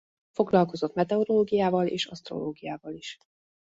Foglalkozott meteorológiával és asztrológiával is.